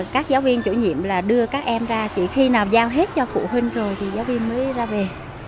các giáo viên chủ nhiệm là đưa các em ra chỉ khi nào giao hết cho phụ huynh rồi thì giáo viên mới ra về